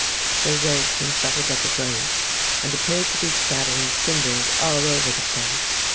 They raked and shovelled at the grate, and appeared to be scattering cinders all over the place.